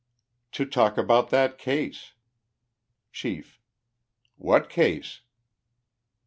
— i; To talk about that case." Chief. —" What ease